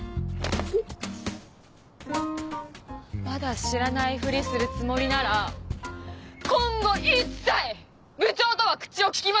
まだ知らないふりするつもりなら今後一切！